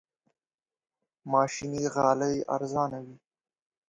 ماشيني غالۍ ارزانه وي.